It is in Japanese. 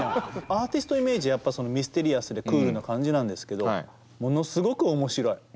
アーティストイメージはやっぱミステリアスでクールな感じなんですけどものすごく面白い。